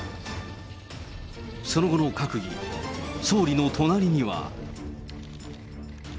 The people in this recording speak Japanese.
その後の閣議、総理の隣には。